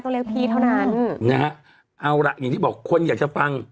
เรียกพี่เท่านั้นนะฮะเอาล่ะอย่างที่บอกคนอยากจะฟัง